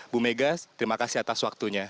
bu mega terima kasih atas waktunya